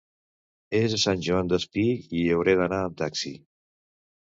És a Sant Joan Despí, hi hauré d'anar amb taxi.